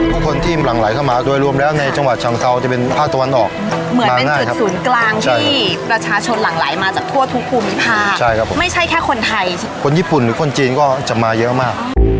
ทุกคนที่หลั่งไหลเข้ามารวมแล้วในจังหวัดชวานเฮา